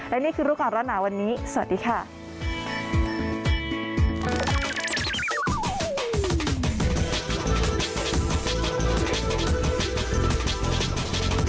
และนี่คือลูกอรรณาวันนี้สวัสดีค่ะ